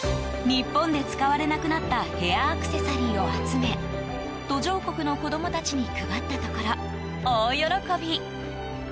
日本で使われなくなったヘアアクセサリーを集め途上国の子供たちに配ったところ、大喜び。